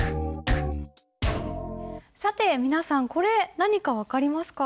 さて皆さんこれ何か分かりますか？